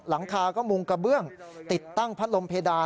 หลังคาก็มุงกระเบื้องติดตั้งพัดลมเพดาน